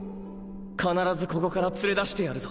必ずここから連れ出してやるぞ。